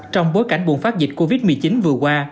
trong bối cảnh bùng phát dịch covid một mươi chín vừa qua